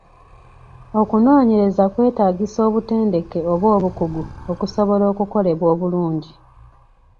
Okunoonyereza kwetaagisa obutendeke oba obukugu okusobola okukolebwa obulungi.